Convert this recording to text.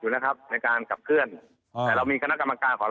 อยู่นะครับในการกับเพื่อนอ่าแต่เรามีคณะกำลังการของ